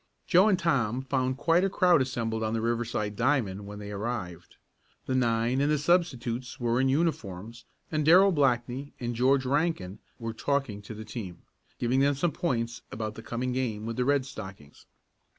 Joe and Tom found quite a crowd assembled on the Riverside diamond when they arrived. The nine and the substitutes were in uniforms, and Darrell Blackney and George Rankin were talking to the team, giving them some points about the coming game with the Red Stockings.